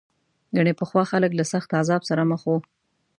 ګنې پخوا خلک له سخت عذاب سره مخ وو.